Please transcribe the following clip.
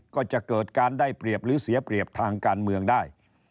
ก็จะเกิดการได้เปรียบหรือเสียเปรียบทางการเมืองได้